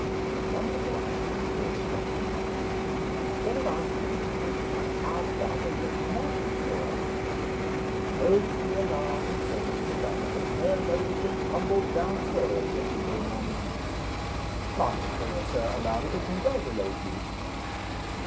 A wonderful idea struck me. Instead of answering his question, I asked after Lady Malkinshaw. "Don't be alarmed," said Mr. Batterbury; "her ladyship tumbled downstairs yesterday morning." "My dear sir, allow me to congratulate you!"